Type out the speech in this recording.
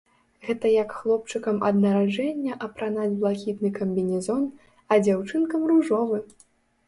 Гэта як хлопчыкам ад нараджэння апранаць блакітны камбінезон, а дзяўчынкам ружовы!